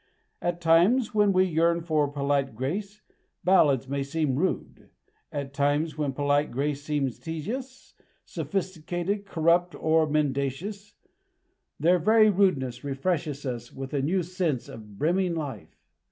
At times when we yearn for polite grace, ballads may seem rude; at times when polite grace seems tedious, sophisticated, corrupt, or mendacious, their very rudeness refreshes us with a new sense of brimming life.